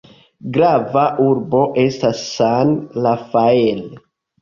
Grava urbo estas San Rafael.